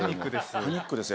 パニックです。